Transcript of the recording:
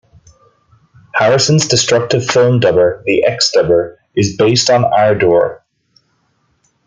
Harrison's destructive film dubber, the Xdubber, is based on Ardour.